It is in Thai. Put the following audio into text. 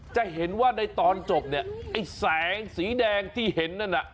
จะเห็นว่าในตอนจบไอ้แสงสีแดงที่เห็น